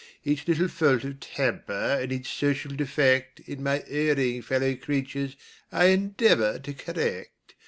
Each little fault of temper and each social defect In my erring fellow creatures, I endeavor to correct.